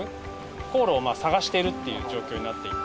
航路を探してるっていう状況になっていて。